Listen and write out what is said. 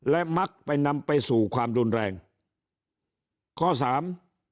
และมักไปนำไปสู่ความรุนแรงข้อสาม